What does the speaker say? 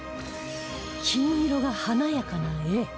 金色が華やかな Ａ